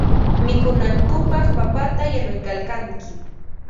Mikunankupaq papata yanuykalkanki.